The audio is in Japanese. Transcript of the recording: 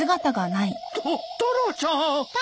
タタラちゃん！